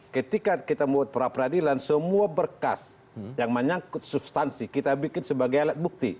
ketika kita membuat peradilan semua berkas yang menyangkut substansi kita bikin sebagai alat bukti